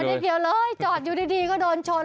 ไม่เกี่ยวเลยจอดอยู่ดีก็โดนชน